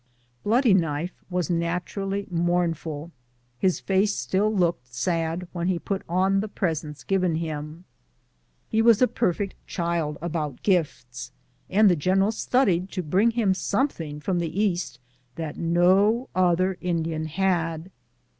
Bloody Knife was naturally mournful ; his face still looked sad when he put on the presents given him. lie 236 BOOTS AND SADDLES. was a perfect child about gifts, and the general studied to bring him something from the East that no other Indian had.